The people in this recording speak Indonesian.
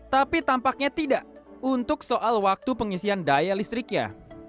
tapi tampaknya tidak untuk soal waktu pengisian daya listriknya